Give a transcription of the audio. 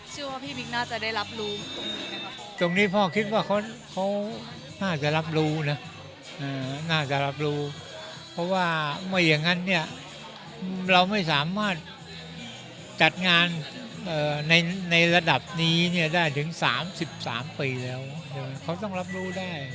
ใช่ตรงนี้พ่อคิดว่าเค้าน่าจะรับรู้เพราะไม่อย่างนั้นนี่เราไม่สามารถจัดงานในระดับนี้ได้ถึง๓๓ปีแล้วเค้าต้องรับรู้ได้